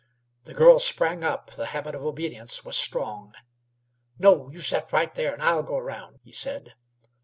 The girl sprang up; the habit of obedience was strong. "No; you set right there, and I'll go round," he said.